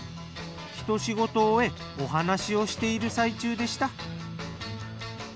ひと仕事終えお話をしている最中でした。